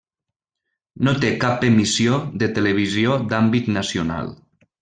No té cap emissió de televisió d'àmbit nacional.